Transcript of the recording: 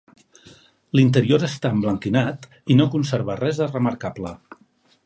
L'interior està emblanquinat i no conserva res de remarcable.